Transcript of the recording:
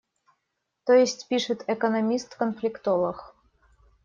То есть пишут: «Экономист, конфликтолог».